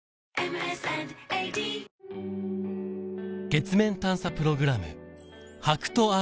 月面探査プログラム